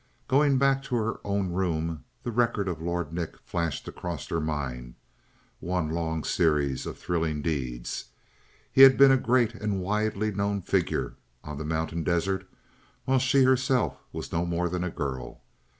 Going back to her own room, the record of Lord Nick flashed across her mind; one long series of thrilling deeds. He had been a great and widely known figure on the mountain desert while she herself was no more than a girl.